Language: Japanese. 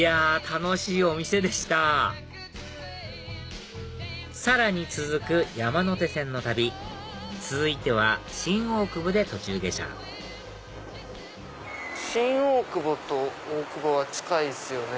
楽しいお店でしたさらに続く山手線の旅続いては新大久保で途中下車新大久保と大久保は近いですよね。